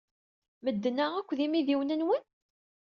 Medden-a akk d imidiwen-nwen?